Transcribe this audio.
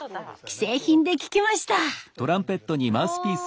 既製品で聴きました。